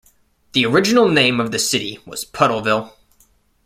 The original name of the city was Puddleville.